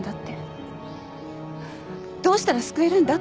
「どうしたら救えるんだ？」